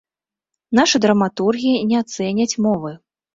Нашы драматургі не цэняць мовы.